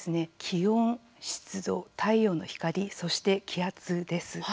気温、湿度、太陽の光そして気圧です。